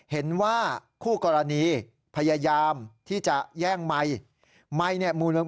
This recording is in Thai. เห็นว่าคู่กรณีพยายามที่จะแย่งไมค์